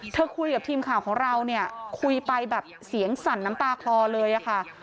คุยกับทีมข่าวของเราเนี่ยคุยไปแบบเสียงสั่นน้ำตาคลอเลยอะค่ะ